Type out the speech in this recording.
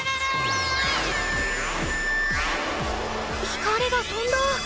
光がとんだ！